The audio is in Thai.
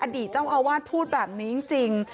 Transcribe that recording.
อดีตเจ้าอาวาสพูดแบบนี้จริง